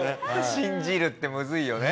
信じるってムズいよね。